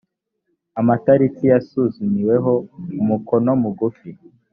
amatariki yasuzumiweho umukono mugufi